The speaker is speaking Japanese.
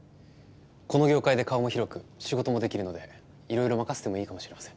この業界で顔も広く仕事もできるのでいろいろ任せてもいいかもしれません。